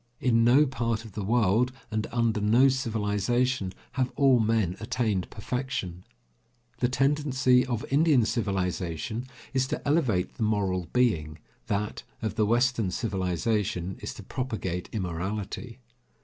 In no part of the world, and under no civilization, have all men attained perfection. The tendency of Indian civilization is to elevate the moral being, that of the western civilization is to propagate immorality.